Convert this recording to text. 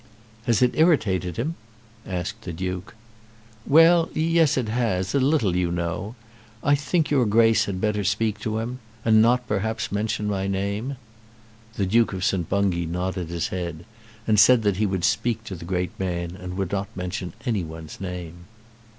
"Has it irritated him?" asked the Duke. "Well; yes, it has; a little, you know. I think your Grace had better speak to him; and not perhaps mention my name." The Duke of St. Bungay nodded his head, and said that he would speak to the great man and would not mention any one's name.